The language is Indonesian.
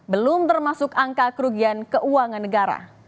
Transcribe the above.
belum termasuk angka kerugian keuangan negara